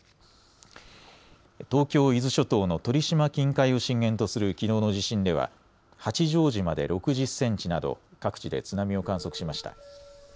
東京伊豆諸島の鳥島近海を震源とするきのうの地震では八丈島で６０センチなど各地で津波を観測しました。